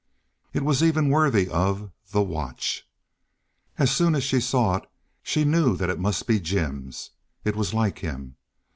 It was even worthy of The Watch. As soon as she saw it she knew that it must be Jim's. It was like him.